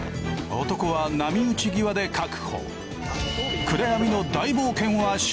男は波打ち際で確保。